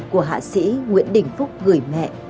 của hạ sĩ nguyễn đình phúc gửi mẹ